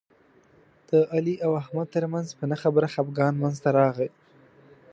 د علي او احمد ترمنځ په نه خبره خپګان منځ ته راغی.